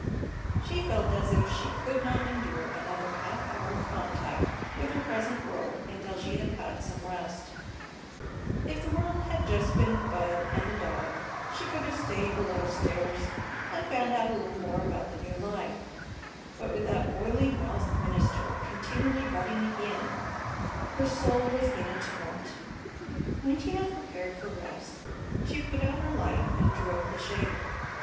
She felt as if she could not endure another half hour of contact with her present world until she had had some rest. If the world had been just Bud and the dog she could have stayed below stairs and found out a little more about the new life; but with that oily mouthed minister continually butting in her soul was in a tumult. When she had prepared for rest she put out her light and drew up the shade.